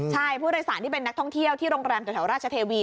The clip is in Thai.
ใช่ผู้โดยสารที่เป็นนักท่องเที่ยวที่โรงแรมแถวราชเทวี